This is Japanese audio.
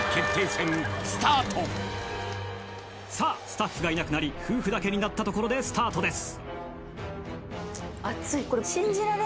スタッフがいなくなり夫婦だけになったところでスタートです